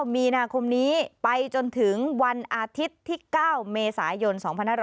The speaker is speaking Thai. มีนาคมนี้ไปจนถึงวันอาทิตย์ที่๙เมษายน๒๕๖๐